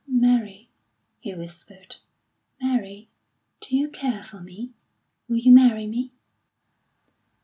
"Mary," he whispered, "Mary, do you care for me? Will you marry me?"